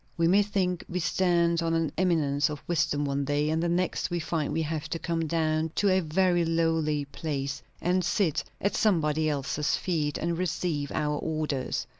We may think we stand on an eminence of wisdom one day; and the next we find we have to come down to a very lowly place, and sit at somebody else's feet, and receive our orders.